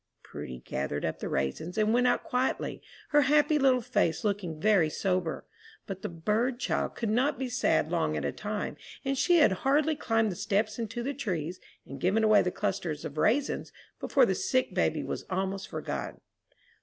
Prudy gathered up the raisins, and went out quietly, her happy little face looking very sober. But the "bird child" could not be sad long at a time, and she had hardly climbed the steps into the trees, and given away the clusters of raisins, before the sick baby was almost forgotten.